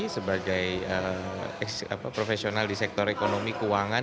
sebagai profesional di sektor ekonomi keuangan